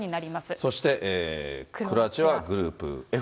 そしてクロアチアはグループＦ。